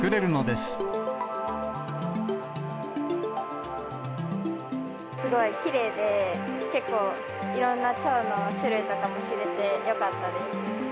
すごいきれいで、結構、いろんなちょうの種類とかも知れて、よかったです。